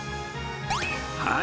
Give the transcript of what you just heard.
はい！